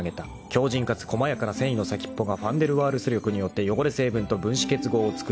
［強靭かつ細やかな繊維の先っぽがファンデルワールス力によって汚れ成分と分子結合を作り出すらしい］